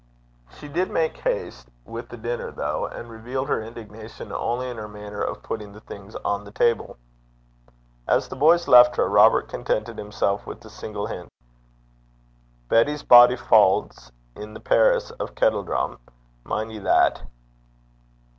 She did make haste with the dinner, though, and revealed her indignation only in her manner of putting the things on the table. As the boys left her, Robert contented himself with the single hint: 'Betty, Bodyfauld 's i' the perris o' Kettledrum. Min' ye that.'